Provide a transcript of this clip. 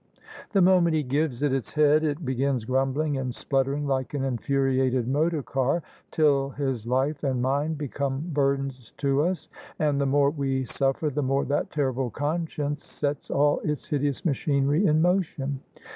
The moment he gives it its head it begins grumbling and spluttering like an infuriated motor car, till his life and mine become burdens to us. And the more we suffer the more that terrible conscience sets all its hideous machinery in motion.